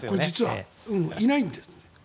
いないんですって。